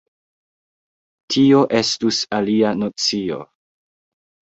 Tio estus alia nocio.